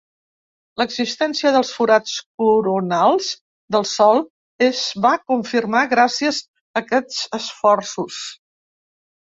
L'existència dels forats coronals del Sol es va confirmar gràcies a aquests esforços.